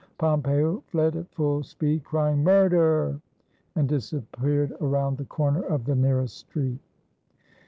Pompeo fled at full speed, crying "Murder!" and disappeared around the corner of the nearest street.